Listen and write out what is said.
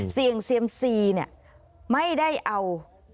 เซียมซีเนี่ยไม่ได้เอา